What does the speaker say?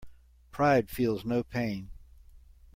Pride feels no pain.